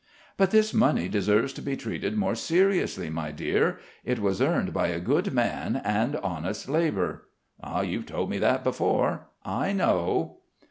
"But this money deserves to be treated more seriously, my dear. It was earned by a good man and honest labour." "You've told me that before. I know."